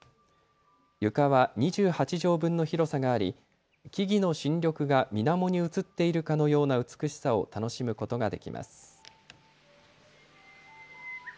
床は２８畳分の広さがあり木々の新緑がみなもに映っているかのような美しさを楽しむことができます。